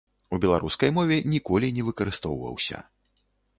У беларускай мове ніколі не выкарыстоўваўся.